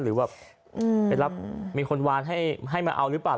หรือแบบไปรับมีคนวานให้มาเอาหรือเปล่า